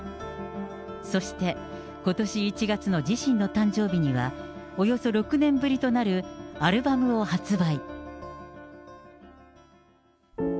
そして、ことし１月の自身の誕生日には、およそ６年ぶりとなるアルバムを発売。